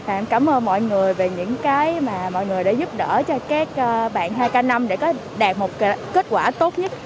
em cảm ơn mọi người về những cái mà mọi người đã giúp đỡ cho các bạn hai k năm để có đạt một kết quả tốt nhất